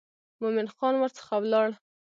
مومن خان ورڅخه ولاړ.